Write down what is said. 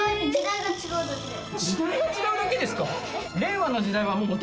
時代が違うだけですか？